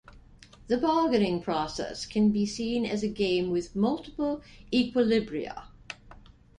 The bargaining process can be seen as a game with multiple equilibria.